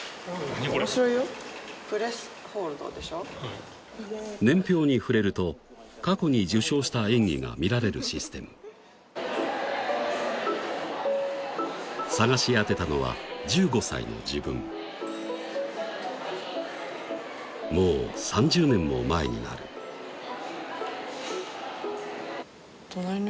面白いよプレスホールドでしょ年表に触れると過去に受賞した演技が見られるシステム探し当てたのは１５歳の自分もう３０年も前になる一番古株？